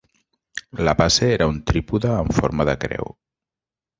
La base era un trípode amb forma de creu.